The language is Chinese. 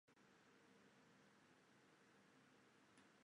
雷彻让里奇调查一个军事承包商。